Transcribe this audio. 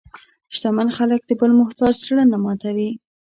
شتمن خلک د بل محتاج زړه نه ماتوي.